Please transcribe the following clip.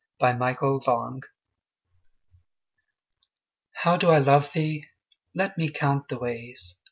Y Z Sonnet XLIII HOW do I love thee? Let me count the ways.